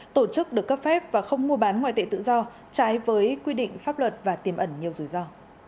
tổ chức được cấp phép và không mua bán ngoại tệ tự do trái với quy định pháp luật và tiềm ẩn nhiều rủi ro